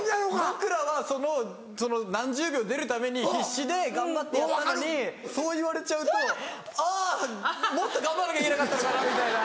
僕らはその何十秒出るために必死で頑張ってやったのにそう言われちゃうとあぁもっと頑張んなきゃいけなかったのかなみたいな。